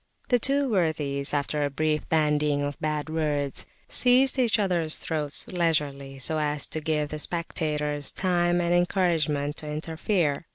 The two worthies, after a brief bandying of bad words, seized each other's throats leisurely, so as to give the spectators time and encouragement to interfere.